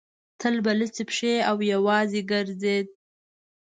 تل به لڅې پښې او یوازې ګرځېد.